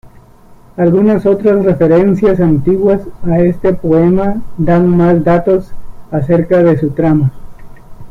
Algunas otras referencias antiguas a este poema dan más datos acerca de su trama.